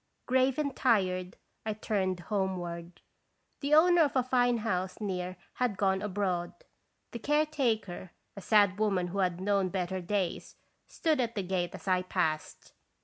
Grave and tired I turned homeward. The owner of a fine house near had gone abroad, the care taker, a sad woman who had known better days, stood at the gate as I passed.